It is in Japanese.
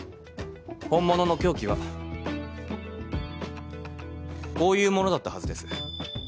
本物の凶器はこういうものだったはずです。